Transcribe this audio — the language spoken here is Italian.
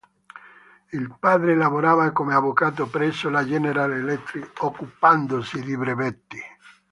Il padre lavorava come avvocato presso la General Electric, occupandosi di brevetti.